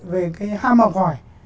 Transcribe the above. về cái ham học hỏi